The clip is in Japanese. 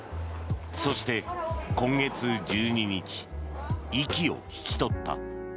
そして、今月１２日息を引き取った。